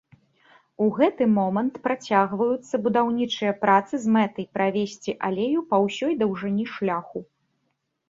У гэты момант працягваюцца будаўнічыя працы з мэтай правесці алею па ўсёй даўжыні шляху.